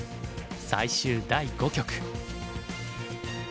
最終第五局。